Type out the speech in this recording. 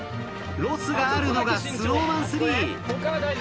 ロスがあるのがＳｎｏｗＭａｎ３。